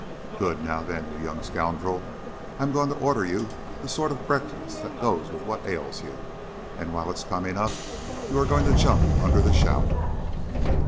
"Good! Now then, you young scoundrel, I'm going to order you the sort of breakfast that goes with what ails you, and while it is coming up, you are going to jump under the shower."